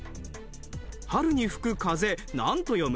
春に吹く風なんと読む？